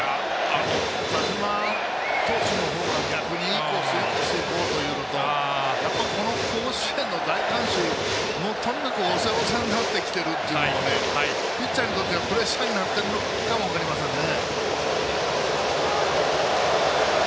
田島投手の方が逆にいいコースにいこうというのとやっぱり、この甲子園の大歓声とにかく押せ押せになってきてるというのがピッチャーにとってはプレッシャーになってるのかも分かりませんね。